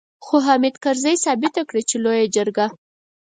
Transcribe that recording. خو حامد کرزي ثابته کړه چې لويه جرګه.